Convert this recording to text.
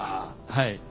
はい。